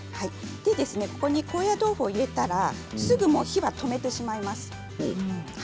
ここに高野豆腐を入れたらすぐ火は止めてしまいます。